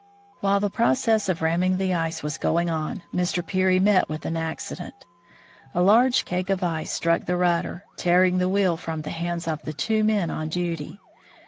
While the process of ramming the ice was going on, Mr. Peary met with an accident. A large cake of ice struck the rudder, tearing the wheel from the hands of the two men on duty.